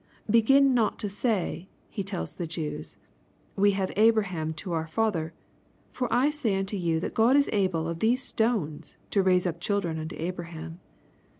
" Begin not to say," he tells the Jews, "we have Abraham to our Father; for I say unto you that God is able of these stones to raise up children unto Abraham."